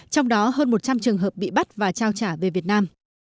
trong đó hơn một trăm linh trường hợp bị bắt và trao trả về việt nam